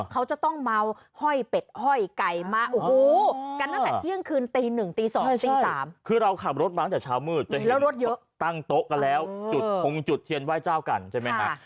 เขาจะต้องเม้าห้อยเป็ดห้อยไก่มากันตั้งแต่เทียงคืน